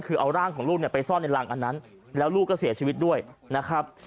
คือเอาร่างของลูกเนี่ยไปซ่อนในรังอันนั้นแล้วลูกก็เสียชีวิตด้วยนะครับ